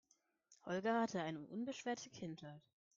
Holger hatte eine unbeschwerte Kindheit.